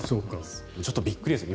ちょっとびっくりですね